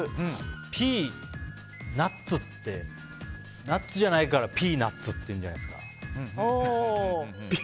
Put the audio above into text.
ピー、ナッツってナッツじゃないからピーナツって言うんじゃないですか？